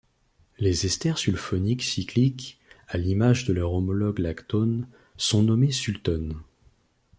Les esters sulfoniques cycliques, à l'image de leur homologue lactone, sont nommés sultones.